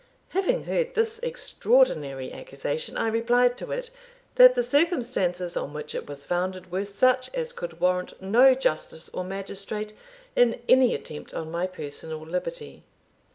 Having heard this extraordinary accusation, I replied to it, that the circumstances on which it was founded were such as could warrant no justice, or magistrate, in any attempt on my personal liberty.